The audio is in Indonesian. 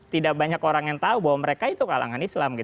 tidak banyak orang yang tahu bahwa mereka itu kalangan islam